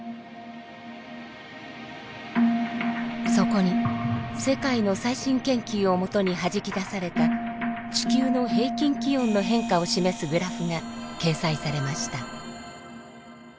そこに世界の最新研究をもとにはじき出された地球の平均気温の変化を示すグラフが掲載されました。